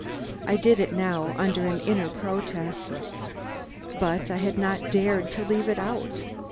I did it now under an inner protest. But I had not dared to leave it out.